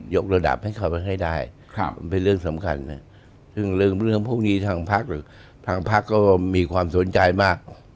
กระดับให้เขาไปให้ได้มันเป็นเรื่องสำคัญซึ่งเรื่องพวกนี้ทางพักหรือทางพักก็มีความสนใจมาก